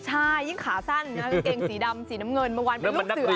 ใช่ยิ่งขาสั้นนะกางเกงสีดำสีน้ำเงินเมื่อวานเป็นลูกเสือ